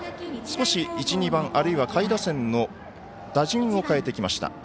少し、１、２番あるいは下位打線の打順を変えてきました。